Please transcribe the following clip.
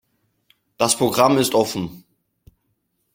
Das Programm ist offen.